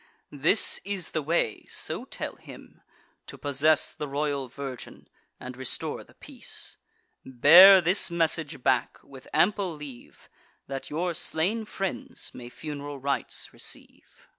This is the way (so tell him) to possess The royal virgin, and restore the peace. Bear this message back, with ample leave, That your slain friends may fun'ral rites receive."